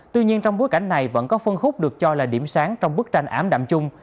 tuy nhiên trong bối cảnh này vẫn có phân khúc được cho là điểm sáng trong bức tranh ám đạm chung